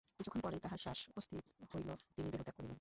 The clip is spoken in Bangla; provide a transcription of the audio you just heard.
কিছুক্ষণ পরেই তাঁহার শ্বাস উপস্থিত হইল, তিনি দেহত্যাগ করিলেন।